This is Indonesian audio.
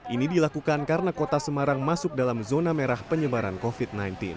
ini dilakukan karena kota semarang masuk dalam zona merah penyebaran covid sembilan belas